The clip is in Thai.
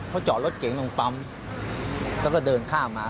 เขาจอดรถเก๋งตรงปั๊มแล้วก็เดินข้ามมา